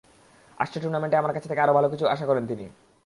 আসছে টুর্নামেন্টে আমার কাছ থেকে আরও ভালো কিছু আশা করেন তিনি।